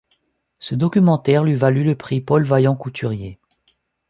Ce documentaire lui valut le prix Paul Vaillant-Couturier.